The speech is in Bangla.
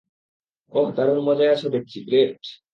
ওহ, দারুণ মজায় আছো দেখছি, গ্রেট!